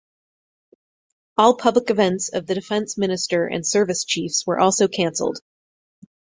All public events of the Defence Minister and Service Chiefs were also cancelled.